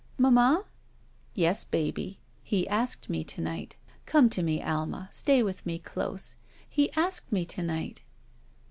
"Mamma?" "Yes, baby. He asked me to night. Come to me^ Alma; stay with me close. He asked me to night."